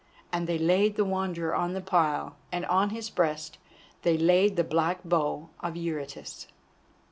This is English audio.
And they laid the Wanderer on the pyre, and on his breast they laid the black bow of Eurytus.